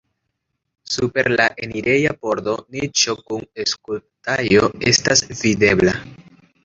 Super la enireja pordo niĉo kun skulptaĵo estas videbla.